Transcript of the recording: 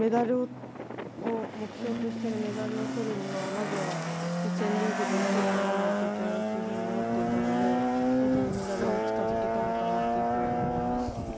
目標としてるメダルをとるにはまずは予選リーグで１位にならないといけないというふうに思っていたので、本当にメダルに近づけたのかなっていうふうに思います。